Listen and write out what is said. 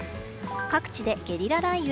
各地でゲリラ雷雨。